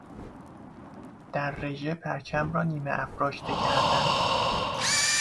در رژه پرچم را نیمافراشته کردن